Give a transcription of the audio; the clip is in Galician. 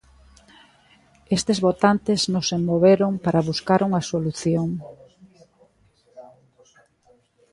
Estes votantes non se moveron para buscar unha solución.